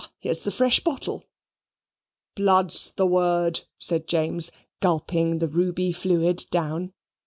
Here's the fresh bottle." "Blood's the word," said James, gulping the ruby fluid down.